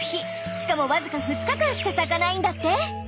しかもわずか２日間しか咲かないんだって。